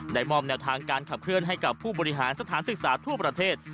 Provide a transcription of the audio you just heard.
มอบแนวทางการขับเคลื่อนให้กับผู้บริหารสถานศึกษาทั่วประเทศ